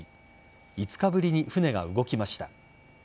５日ぶりに船が動きました。